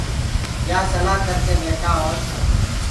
يآ سلآ ڪرَ ڪي ٻيٺآ اورَ